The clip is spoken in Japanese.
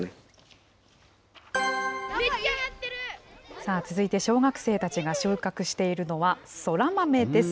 さあ、続いて小学生たちが収穫しているのはそら豆です。